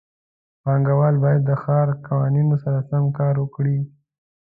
پانګهوال باید د ښار د قوانینو سره سم خپل کار وکړي.